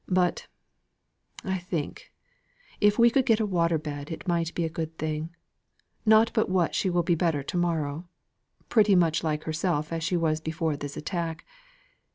But, I think, if we could get a water bed it might be a good thing. Not but what she will be better to morrow; pretty much like herself as she was before this attack.